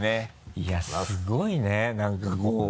いやすごいね何かこう。